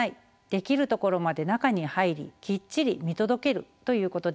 できるところまで中に入りきっちり見届けるということです。